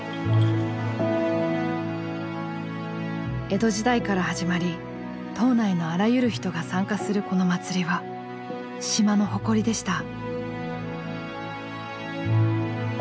江戸時代から始まり島内のあらゆる人が参加するこの祭りは島の誇りでした。